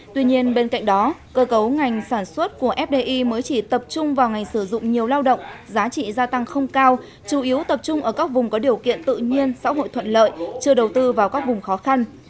tuy nhiên bên cạnh đó cơ cấu ngành sản xuất của fdi mới chỉ tập trung vào ngành sử dụng nhiều lao động giá trị gia tăng không cao chủ yếu tập trung ở các vùng có điều kiện tự nhiên xã hội thuận lợi chưa đầu tư vào các vùng khó khăn